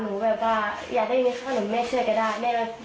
หนูไม่อยากขอเงินโภ่แม่หนูอยากชื่อเด็กบอกภาระโภ่แม่บ้าง